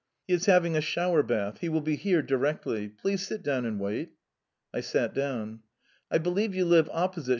"He is having a shower bath. He will be down presently. Please take a chair." I sat down. "I believe you live opposite?"